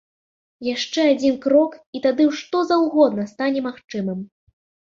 Яшчэ адзін крок, і тады што заўгодна стане магчымым.